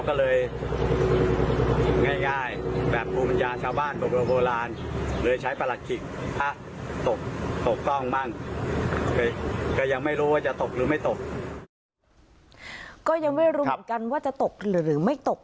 ก็ยังไม่รู้เหมือนกันว่าจะตกหรือไม่ตก